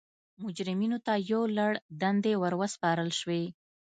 مجرمینو ته یو لړ دندې ور وسپارل شوې.